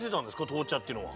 闘茶っていうのは。